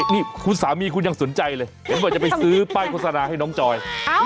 นี่คุณสามีคุณยังสนใจเลยเห็นบอกจะไปซื้อป้ายโฆษณาให้น้องจอย